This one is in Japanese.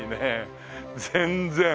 全然。